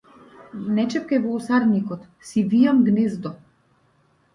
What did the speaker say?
Не чепкај во осарникот, си вијам гнездо!